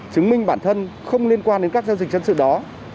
chứng minh bản thân không liên quan đến các giao dịch dân sự đó